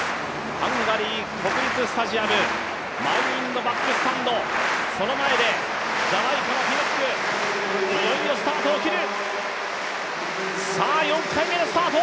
ハンガリー国立スタジアム、満員のバックスタンド、その前でジャマイカのピノック、いよいよスタートを切る。